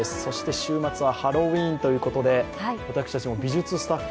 週末はハロウィーンということで私たちも美術スタッフ